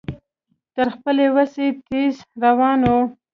تر خپلې وسې تېز روان و.